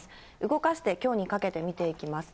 動かして、きょうにかけて見ていきます。